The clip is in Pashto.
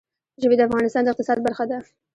ژبې د افغانستان د اقتصاد برخه ده.